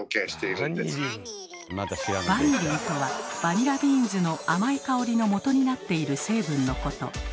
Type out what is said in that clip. バニリンとはバニラビーンズの甘い香りのもとになっている成分のこと。